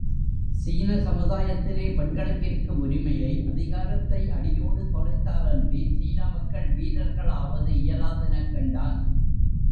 சீன சமுதாயத்திலே பெண்களுக்கிருக்கும் உரிமையை, அதிகாரத்தை அடியோடு தொலைத்தாலன்றி சீன மக்கள் வீரர்களாவது இயலாதெனக் கண்டான்.